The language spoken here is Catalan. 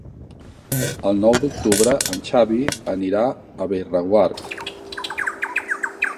El nou d'octubre en Xavi anirà a Bellreguard.